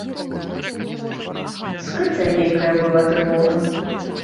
Скрытая нейкая была трывога.